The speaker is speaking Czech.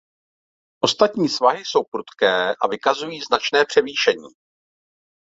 Ostatní svahy jsou prudké a vykazují značné převýšení.